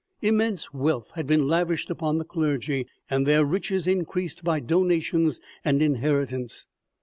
Immense wealth had been lavished upon the clergy, and their riches increased by donations and inheritence.